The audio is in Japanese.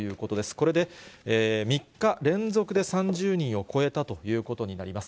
これで３日連続で３０人を超えたということになります。